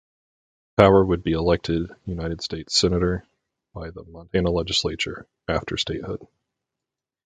Power would be elected United States Senator by the Montana Legislature after statehood.